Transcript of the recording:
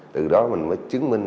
từ đó mình mới chứng minh